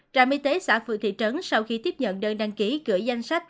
trạm y tế xã phường thị trấn sau khi tiếp nhận đơn đăng ký cửa danh sách